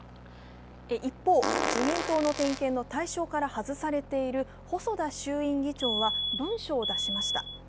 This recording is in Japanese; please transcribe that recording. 一方、自民党の点検の対象から外されている細田衆院議長は文書を出しました。